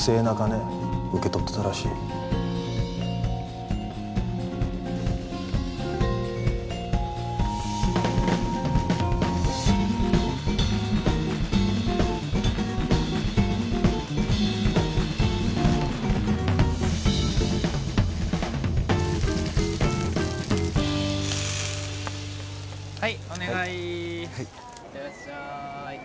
いってらっしゃい。